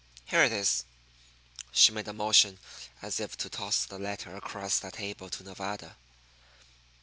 Here it is." She made a motion as if to toss the letter across the table to Nevada.